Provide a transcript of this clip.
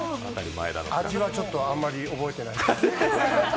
味はちょっとあんまり覚えてない。